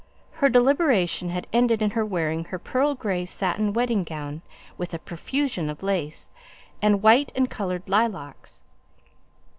Her deliberation had ended in her wearing her pearl grey satin wedding gown, with a profusion of lace, and white and coloured lilacs.